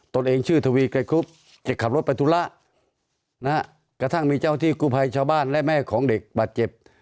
ตัวเองชื่อทวีไกรครุบจะขับรถไปธุระกระทั่งมีเจ้าที่กู้ภัยชาวบ้านและแม่ของเด็กบาดเจ็บ